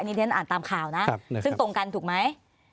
นี่เรียนอ่านตามข่าวนะซึ่งตรงกันถูกไหม